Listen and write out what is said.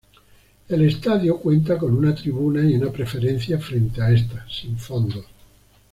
El estadio cuenta con una tribuna y una preferencia frente a esta, sin fondos.